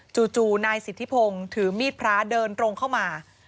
จู่นายสิทธิพงศ์ถือมีดพระเดินตรงเข้ามา